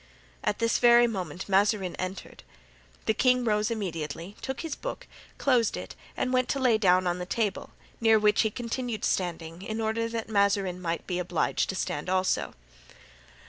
At this very moment Mazarin entered. The king rose immediately, took his book, closed it and went to lay it down on the table, near which he continued standing, in order that Mazarin might be obliged to stand also.